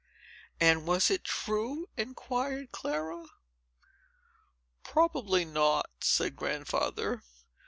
"And was it true?" inquired Clara. "Probably not," said Grandfather.